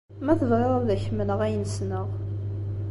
Ma tebɣiḍ ad ak-mmleɣ ayen ssneɣ.